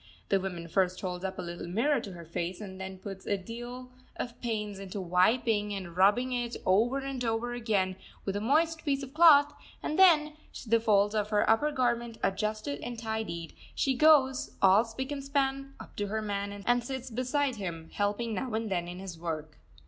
The woman first holds up a little mirror to her face, then puts a deal of pains into wiping and rubbing it, over and over again, with a moist piece of cloth; and then, the folds of her upper garment adjusted and tidied, she goes, all spick and span, up to her man and sits beside him, helping him now and then in his work.